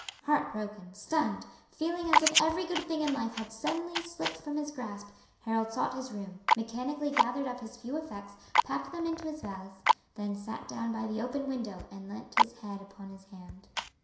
Heart broken, stunned, feeling as if every good thing in life had suddenly slipped from his grasp, Harold sought his room, mechanically gathered up his few effects, packed them into his valise, then sat down by the open window and leant his head upon his hand.